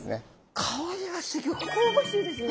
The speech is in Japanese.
香りがすギョく香ばしいですね。